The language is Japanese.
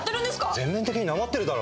全面的になまってるだろ。